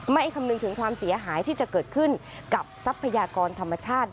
คำนึงถึงความเสียหายที่จะเกิดขึ้นกับทรัพยากรธรรมชาติ